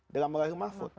dalam lau hil makhfud